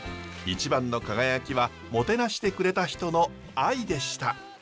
一番の輝きはもてなしてくれた人の愛でした。